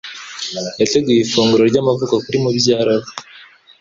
Yateguye ifunguro ryamavuko kuri mubyara we.